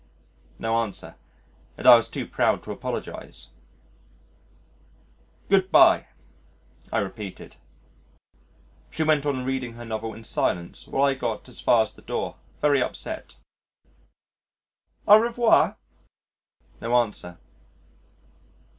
No answer; and I was too proud to apologise. "Good bye," I repeated. She went on reading her novel in silence while I got as far as the door very upset. "Au revoir." No answer.